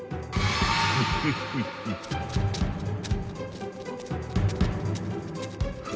フフフフ。